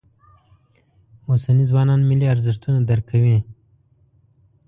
اوسني ځوانان ملي ارزښتونه درک کوي.